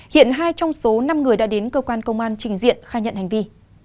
hiện hai trong số năm người đã đến cơ quan công an trình diện khai nhận hành vi